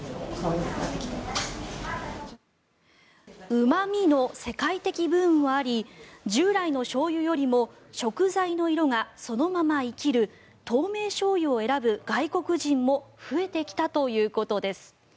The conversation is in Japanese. ＵＭＡＭＩの世界的ブームもあり従来のしょうゆよりも食材の色がそのまま生きる透明醤油を選ぶ外国人も増えてきたということです。